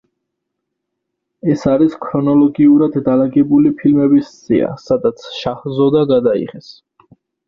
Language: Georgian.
ეს არის ქრონოლოგიურად დალაგებული ფილმების სია, სადაც შაჰზოდა გადაიღეს.